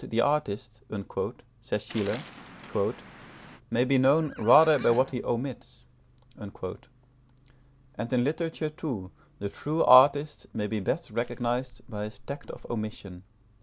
"The artist," says Schiller, "may be known rather by what he omits"; and in literature, too, the true artist may be best recognised by his tact of omission.